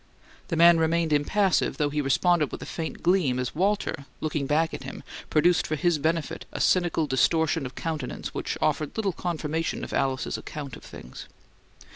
The man remained impassive, though he responded with a faint gleam as Walter, looking back at him, produced for his benefit a cynical distortion of countenance which offered little confirmation of Alice's account of things.